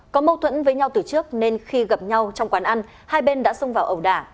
có mâu thuẫn với nhau từ trước nên khi gặp nhau trong quán ăn hai bên đã xông vào ẩu đả